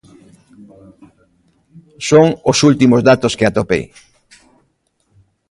Son os últimos datos que atopei.